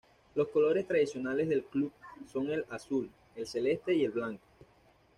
Los colores tradicionales del club son el azul, el celeste y el blanco.